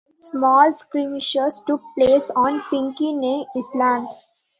Small skirmishes took place on Pinckney Island.